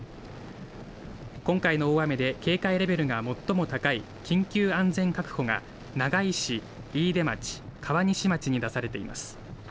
今回の大雨で警戒レベルが最も高い緊急安全確保が長井市、飯豊町、川西町に出されています。